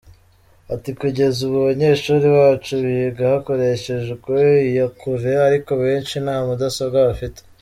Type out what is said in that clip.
Ati “Kugeza ubu abanyeshuri bacu biga hakoreshejwe iyakure, ariko benshi nta mudasobwa bafite.